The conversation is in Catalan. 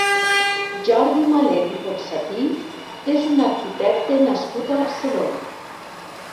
Jordi Malet i Ponsatí és un arquitecte nascut a Barcelona.